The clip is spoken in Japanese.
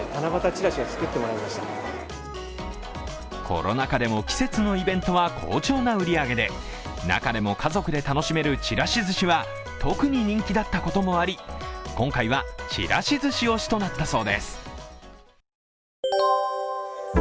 コロナ禍でも季節のイベントは好調な売り上げで中でも家族で楽しめるちらしずしは特に人気だったこともあり今回はちらしずし推しとなったそうです。